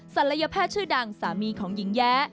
ศัลยแพทย์ชื่อดังสามีของหญิงแย้